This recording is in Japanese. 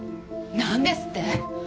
なんですって？